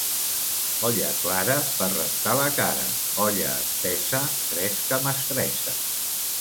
Olla clara, per rentar la cara; olla espessa, fresca mestressa.